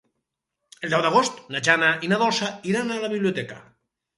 El deu d'agost na Jana i na Dolça iran a la biblioteca.